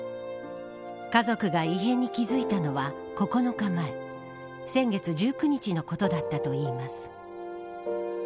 家族が異変に気づいたのは９日前先月１９日のことだったといいます。